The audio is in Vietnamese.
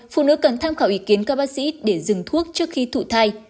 phụ nữ cần tham khảo ý kiến các bác sĩ để dừng thuốc trước khi thụ thai